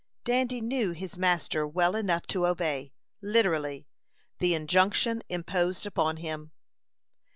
Dandy knew his master well enough to obey, literally, the injunction imposed upon him.